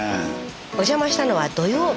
お邪魔したのは土曜日。